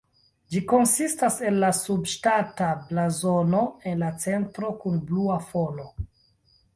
Ĝi konsistas el la subŝtata blazono en la centro kun blua fono.